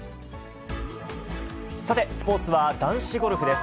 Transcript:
さて、スポーツは男子ゴルフです。